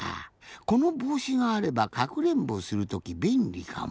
このぼうしがあればかくれんぼするときべんりかも。